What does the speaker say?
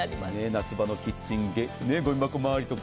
夏場のキッチンゴミ箱周りとか。